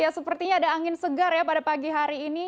sepertinya ada angin segar ya pada pagi hari ini